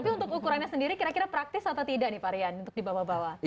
tapi untuk ukurannya sendiri kira kira praktis atau tidak nih varian untuk di bawah bawah